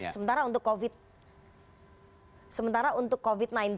sementara untuk covid sembilan belas